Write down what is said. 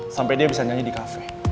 sampai dia bisa nyanyi di kafe